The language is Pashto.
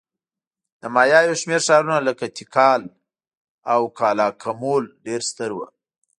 د مایا یو شمېر ښارونه لکه تیکال او کالاکمول ډېر ستر وو